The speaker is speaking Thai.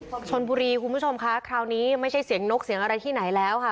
ชนบุรีคุณผู้ชมคะคราวนี้ไม่ใช่เสียงนกเสียงอะไรที่ไหนแล้วค่ะ